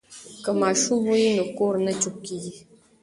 که ماشوم وي نو کور نه چوپ کیږي.